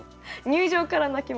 入場から泣く？